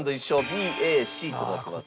ＢＡＣとなってます。